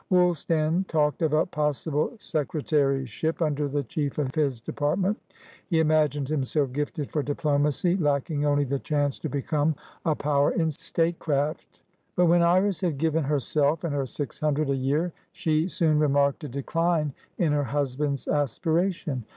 Woolstan talked of a possible secretaryship under the chief of his department; he imagined himself gifted for diplomacy, lacking only the chance to become a power in statecraft. But when Iris had given herself and her six hundred a year, she soon remarked a decline in her husband's aspiration.